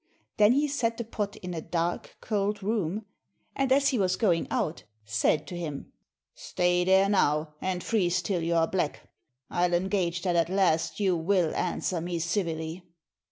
Then he set the pot in a dark, cold room, and as he was going out, said to him "Stay there, now, and freeze till you are black! I'll engage that at last you will answer me civilly."